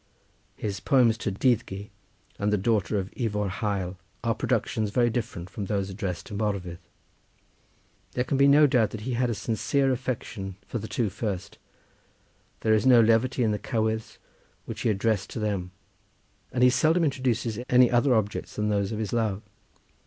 His poems to Dyddgu, and the daughter of Ifor Hael, are productions very different from those addressed to Morfudd. There can be no doubt that he had a sincere affection for the two first; there is no levity in the cowydds which he addressed to them, and he seldom introduces any other objects than those of his love.